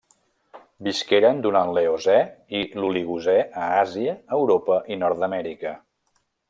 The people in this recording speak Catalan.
Visqueren durant l'Eocè i l'Oligocè a Àsia, Europa i Nord-amèrica.